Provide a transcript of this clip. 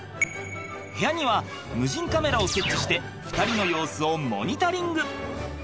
部屋には無人カメラを設置して２人の様子をモニタリング。